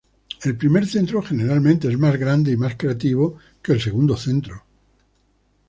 El primer centro generalmente es más grande y más "creativo" que el segundo centro.